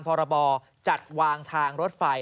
พรบจัดวางทางรถไฟ